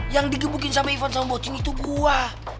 yang di gebukin sama ivan sama bocin itu gua